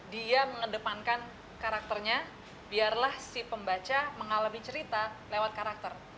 dia mengedepankan karakternya biarlah si pembaca mengalami cerita lewat karakter